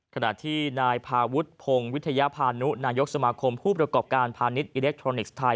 ขณะที่นายพาวุฒิพงศ์วิทยาพานุนายกสมาคมผู้ประกอบการพาณิชยอิเล็กทรอนิกส์ไทย